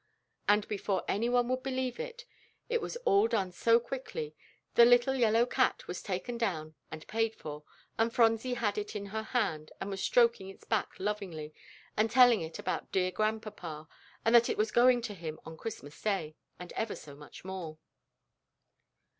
And before any one would believe it, it was all done so quickly, the little yellow cat was taken down and paid for, and Phronsie had it in her hand, and was stroking its back lovingly, and telling it about dear Grandpapa, and that it was going to him on Christmas Day, and ever so much more.